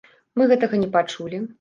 Мы гэтага не пачулі!